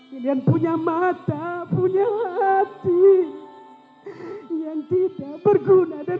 kalian punya mata punya hati yang tidak berguna dan